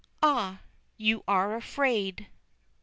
Ah! you are afraid!